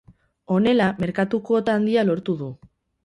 Honela, merkatu kuota handia lortu du.